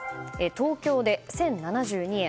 東京で１０７２円。